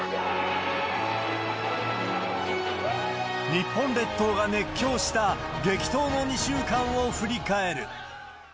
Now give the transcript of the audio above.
日本列島が熱狂した激闘の２週間を振り返る。